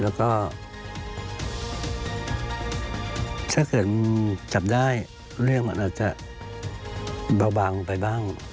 แล้วก็ถ้าเกิดมันจับได้เรื่องมันอาจจะเบาบางไปบ้าง